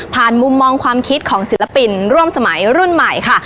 มุมมองความคิดของศิลปินร่วมสมัยรุ่นใหม่ค่ะ